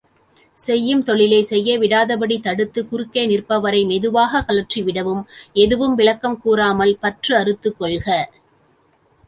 செய்யும் தொழிலைச் செய்யவிடாதபடி தடுத்துக் குறுக்கே நிற்பவரை மெதுவாகக் கழற்றிவிடவும் எதுவும் விளக்கம் கூறாமல் பற்று அறுத்துக் கொள்க.